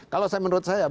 kalau saya menurut saya